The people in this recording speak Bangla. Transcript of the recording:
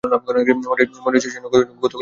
মনে হচ্ছে যেন গতকালই করেছি।